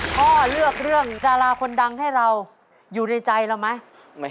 พ่อเลือกเรื่องดาราคนดังให้เราอยู่ในใจเราไหม